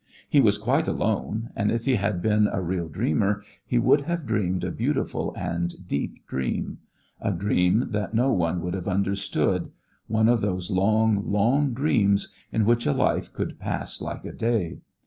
He was quite alone and if he had been a real dreamer, he would have dreamed a beautiful and deep dream a dream that no one would have understood one of those long, long dreams in which a life could pass like a day.